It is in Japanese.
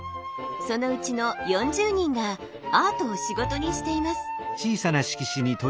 そのうちの４０人がアートを仕事にしています。